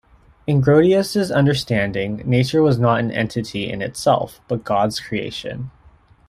In Grotius' understanding, nature was not an entity in itself, but God's creation.